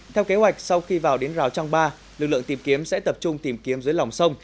theo kế hoạch sau khi vào đến rào trang ba lực lượng tìm kiếm sẽ tập trung tìm kiếm dưới lòng sông